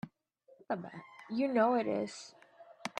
You know it is!